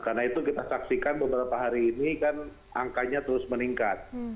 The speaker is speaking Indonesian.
karena itu kita saksikan beberapa hari ini kan angkanya terus meningkat